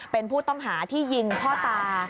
เป็นผู้ต้องหาที่ยิงพ่อตา